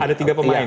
ada tiga pemain